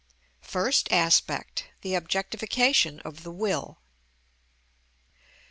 First Aspect. The Objectification Of The Will.